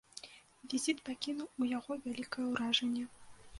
Візіт пакінуў у яго вялікае ўражанне.